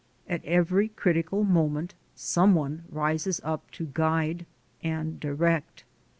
At every critical moment, some one rises up to guide and direct.